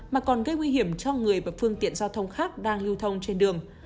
mà còn gây nguy hiểm cho người và phương tiện giao thông khác đang lưu thông trên đường